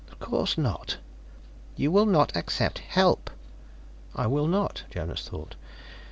"Of course not." "You will not accept help " "I will not," Jonas thought.